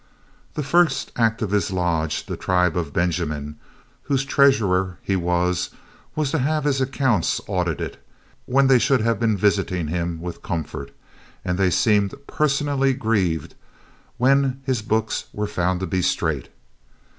The first act of his lodge, "The Tribe of Benjamin," whose treasurer he was, was to have his accounts audited, when they should have been visiting him with comfort, and they seemed personally grieved when his books were found to be straight.